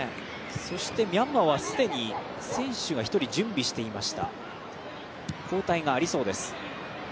そしてミャンマーは既に選手が１人準備をしていました交代がありそうです。